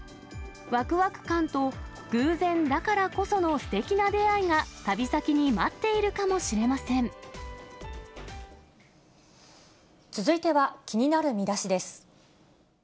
わくわく感と偶然だからこそのすてきな出会いが旅先に待っている続いては気になるミダシです。